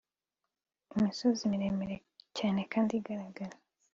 imisozi miremire cyane kandi igaragara neza